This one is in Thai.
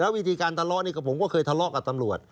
วิธีการทะเลาะนี่ก็ผมก็เคยทะเลาะกับตำรวจ